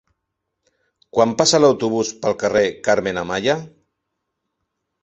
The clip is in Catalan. Quan passa l'autobús pel carrer Carmen Amaya?